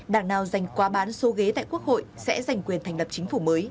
đảng nào giành quá bán số ghế tại quốc hội sẽ giành quyền thành lập chính phủ mới